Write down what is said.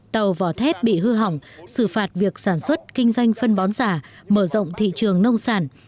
tàu vỏ thép bị hư hỏng xử phạt việc sản xuất kinh doanh phân bón giả mở rộng thị trường nông sản